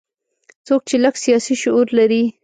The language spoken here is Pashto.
څوک چې لږ سیاسي شعور لري.